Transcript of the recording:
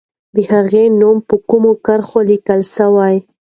د هغې نوم په کومو کرښو لیکل سوی؟